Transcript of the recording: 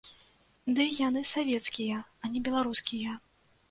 Дый яны савецкія, а не беларускія.